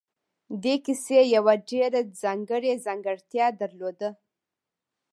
دې کیسې یوه ډېره ځانګړې ځانګړتیا درلوده